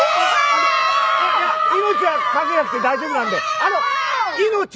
あの命は懸けなくて大丈夫なんで。